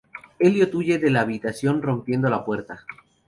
Elliot huye de la habitación rompiendo la puerta.